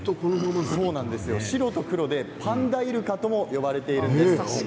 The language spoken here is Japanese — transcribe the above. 白と黒でパンダイルカとも呼ばれているんです。